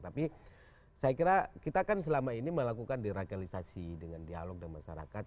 tapi saya kira kita kan selama ini melakukan derakalisasi dengan dialog dengan masyarakat